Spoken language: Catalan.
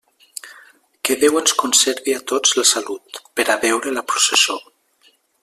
Que Déu ens conserve a tots la salut, per a veure la processó.